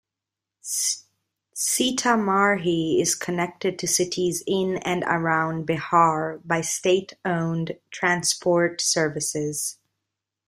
Sitamarhi is connected to cities in and around Bihar by state-owned transport services.